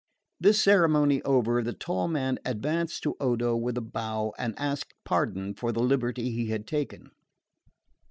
This ceremony over, the tall man advanced to Odo with a bow and asked pardon for the liberty he had taken.